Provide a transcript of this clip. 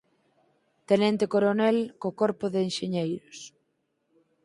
Tenente coronel co Corpo de Enxeñeiros.